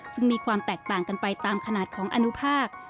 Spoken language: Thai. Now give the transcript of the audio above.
ซึ่งมีความแตกต่างกันไปตามขนาดของอนุภาค